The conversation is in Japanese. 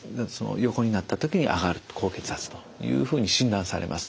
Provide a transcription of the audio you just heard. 横になった時に上がる高血圧というふうに診断されます。